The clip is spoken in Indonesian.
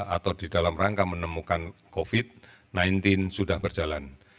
atau di dalam rangka menemukan covid sembilan belas sudah berjalan